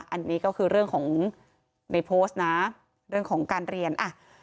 อันนี้ก็คือเรื่องของในโพสต์นะเรื่องของการเรียนอ่ะ